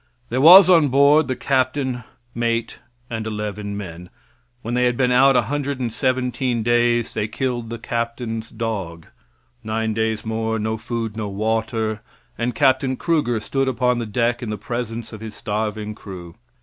There was on board the captain, mate, and eleven men. When they had been out 117 days they killed the captain's dog. Nine days more no food, no water, and Captain Kruger stood upon the deck in the presence of his starving crew.